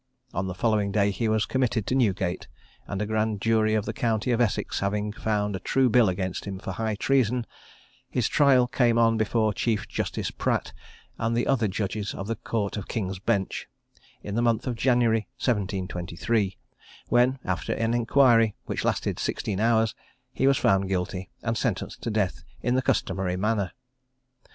On the following day he was committed to Newgate; and a Grand Jury of the county of Essex having found a true bill against him for high treason, his trial came on before Chief Justice Pratt, and the other judges of the Court of King's Bench, in the month of January 1723, when, after an inquiry, which lasted sixteen hours, he was found guilty, and sentenced to death in the customary manner.